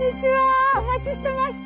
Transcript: お待ちしてました。